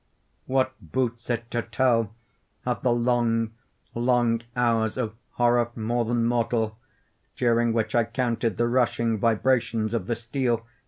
What boots it to tell of the long, long hours of horror more than mortal, during which I counted the rushing vibrations of the steel!